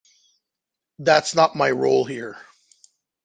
That's not my role here.